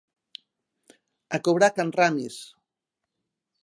A cobrar a can Ramis!